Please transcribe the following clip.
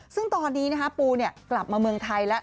ซึ่งตอนนี้นะครับปูเนี่ยกลับมาเมืองไทยแล้ว